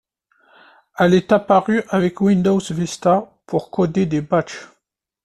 Elle est apparue avec Windows Vista, pour coder des batchs.